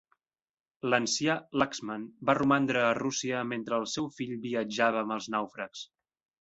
L'ancià Laxmann va romandre a Rússia mentre el seu fill viatjava amb els nàufrags.